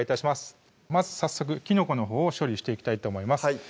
まず早速きのこのほうを処理していきたいと思います